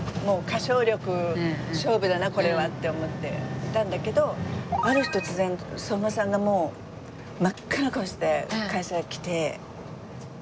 歌唱力勝負だなこれはって思っていたんだけどある日突然相馬さんがもう真っ赤な顔して会社へ来て。